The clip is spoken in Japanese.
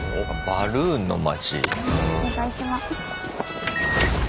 「バルーンの町」。